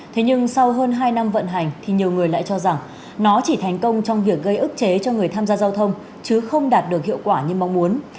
thế nhưng sau hơn hai năm vận hành thì nhiều người lại cho rằng nó chỉ thành công trong việc gây ức chế cho người tham gia giao thông chứ không đạt được hiệu quả như mong muốn